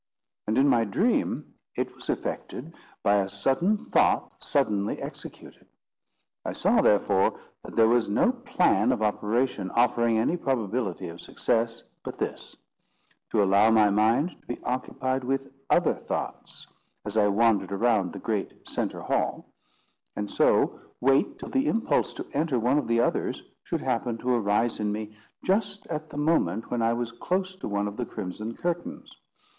And, in my dream, it was effected by a sudden thought suddenly executed. I saw, therefore, that there was no plan of operation offering any probability of success, but this: to allow my mind to be occupied with other thoughts, as I wandered around the great centre hall; and so wait till the impulse to enter one of the others should happen to arise in me just at the moment when I was close to one of the crimson curtains.